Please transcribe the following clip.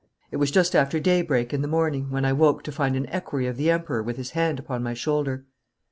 It was just after daybreak in the morning when I woke to find an equerry of the Emperor with his hand upon my shoulder.